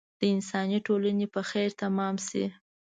د انساني ټولنې په خیر تمام شي.